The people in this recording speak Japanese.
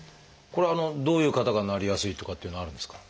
これはどういう方がなりやすいとかっていうのはあるんですか？